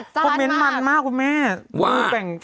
คอมเมนต์มันมากคุณแม่